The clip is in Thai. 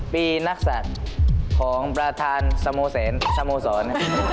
ปีนักศัตริย์ของประธานสโมสรสโมสร